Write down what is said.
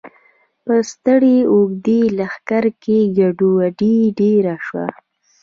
په ستړي او وږي لښکر کې ګډوډي ډېره شوه.